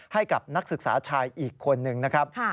ให้กับนักศึกษาชายอีกคนนึงนะครับ